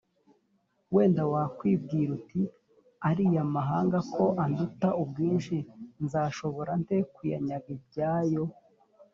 wenda wakwibwira uti «ariya mahanga ko anduta ubwinshi, nzashobora nte kuyanyaga ibyayo?